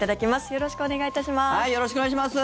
よろしくお願いします。